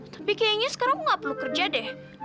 tapi kayaknya sekarang aku gak perlu kerja deh